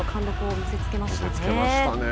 見せつけましたね。